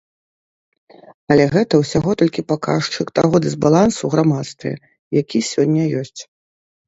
Але гэта ўсяго толькі паказчык таго дысбалансу ў грамадстве, які сёння ёсць.